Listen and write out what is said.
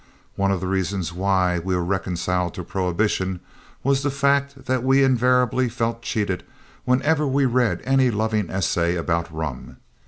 One of the reasons why we were reconciled to prohibition was the fact that we invariably felt cheated whenever we read any loving essay about rum.